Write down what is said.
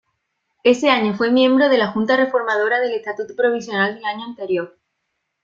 Ese año fue miembro de la "Junta Reformadora" del Estatuto Provisional del año anterior.